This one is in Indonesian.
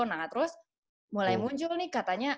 nah terus mulai muncul nih katanya